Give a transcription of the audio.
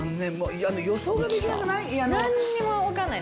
予想ができなくない？